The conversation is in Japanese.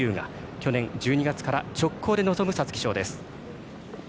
去年１２月から直行で皐月賞です。